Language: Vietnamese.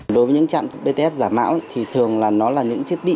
đối với những trạng bts giả mạo thì thường là nó là những chiếc bí mật